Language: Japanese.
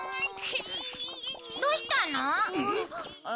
どうしたの？